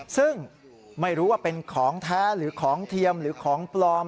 ซึ่งไม่รู้ว่าเป็นของแท้หรือของเทียมหรือของปลอม